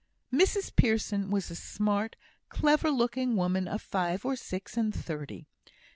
Mrs Pearson was a smart, clever looking woman of five or six and thirty.